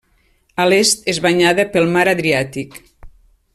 A l'est és banyada pel mar Adriàtic.